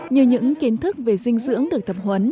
nhờ những kiến thức về dinh dưỡng được thẩm huấn